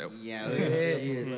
うれしいですよ